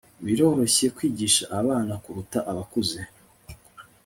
biroroshye kwigisha abana kuruta abakuze